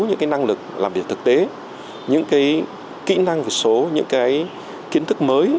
những năng lực làm việc thực tế những kỹ năng số những kiến thức mới